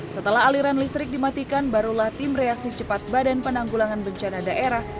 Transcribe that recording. setelah aliran listrik dimatikan barulah tim reaksi cepat badan penanggulangan bencana daerah